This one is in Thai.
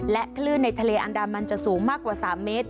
คลื่นในทะเลอันดามันจะสูงมากกว่า๓เมตร